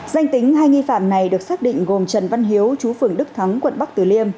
danh tính hai nghi phạm này được xác định gồm trần văn hiếu chú phường đức thắng quận bắc tử liêm